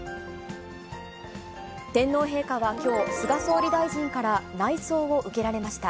天皇陛下はきょう、菅総理大臣から内奏を受けられました。